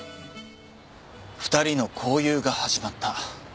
２人の交友が始まった。